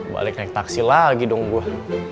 balik naik taksi lagi dong gue